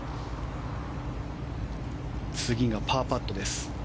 次がパーパットです。